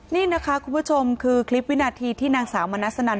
นี่นะคะคุณผู้ชมคือคลิปวินาทีที่นางสาวมนัสนัน